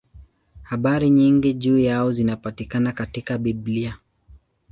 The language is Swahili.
Habari nyingi juu yao zinapatikana katika Biblia.